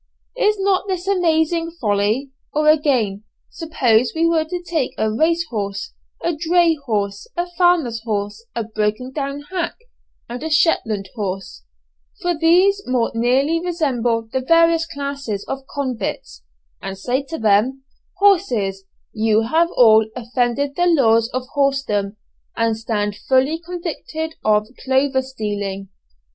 Is not this amazing folly? Or again, suppose we were to take a race horse, a dray horse, a farmer's horse, a broken down hack, and a Shetland horse for these more nearly resemble the various classes of convicts and say to them, "Horses, you have all offended the laws of horsedom, and stand fully convicted of clover stealing.